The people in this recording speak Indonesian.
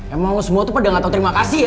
emang semua tuh pada gak tau terima kasih